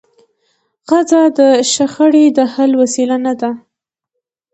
ښځه د شخړي د حل وسیله نه ده.